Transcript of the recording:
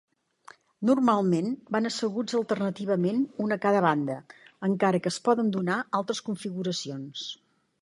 Normalment van asseguts alternativament un a cada banda, encara que es poden donar altres configuracions.